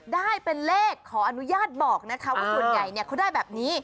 ได้เป็นเลขขออนุญาตบอกนะคะว่าส่วนใหญ่เขาได้แบบนี้